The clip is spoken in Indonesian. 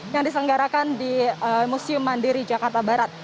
yang diselenggarakan di museum mandiri jakarta barat